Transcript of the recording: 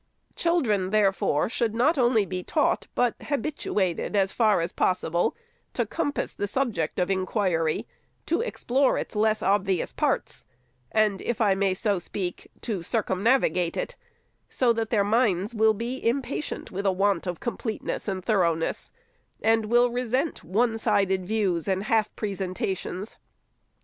Children, therefore, should not 544 THE SECRETARY'S only be taught, but habituated, as far as possible, to com pass the subject of inquiry, to explore its less obvious parts, and, if I may so speak, to circumnavigate it ; so that their minds will be impatient of a want of complete ness and thoroughness, and will resent one sided views and half presentations.